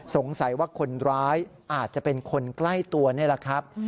สงสัยว่าคนร้ายอาจจะเป็นคนใกล้ตัวนี่แหละครับ